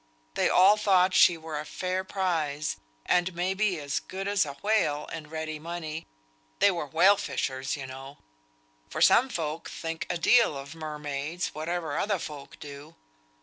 They all thought she were a fair prize, and may be as good as a whale in ready money (they were whale fishers you know). For some folk think a deal of mermaids, whatever other folk do."